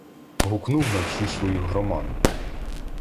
Гукнув на всю свою громаду